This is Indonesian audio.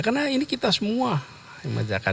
karena ini kita semua yang menjaga